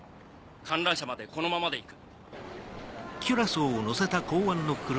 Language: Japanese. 観覧車までこのままで行く。